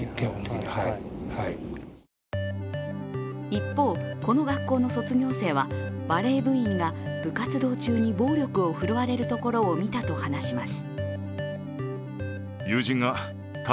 一方、この学校の卒業生はバレー部員が部活動中に暴力を振るわれるところを見たと話します。